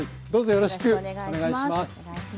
よろしくお願いします。